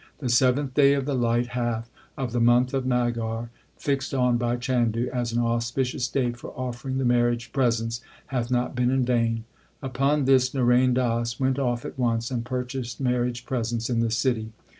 The seventh day of the light half of the month of Maghar, fixed on by Chandu as an auspicious date for offering the marriage presents, hath not been in vain. Upon this Narain Das went off at once and purchased marriage presents in the city.